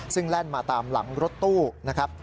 ซึ่งแล่นมาตามหลังรถตู้นะครับ